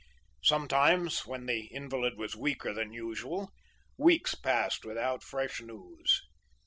Sometimes, when the invalid was weaker than usual, weeks passed without fresh news.